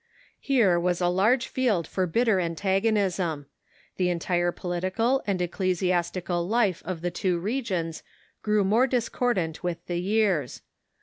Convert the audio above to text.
Here was a large field for bitter antagonism. The entire political and ecclesiastical life of the two regions grew more discordant with the years.